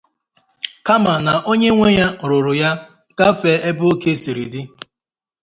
kama na onye nwe ya rụụrụ ya gafèé ebe ókè siri dị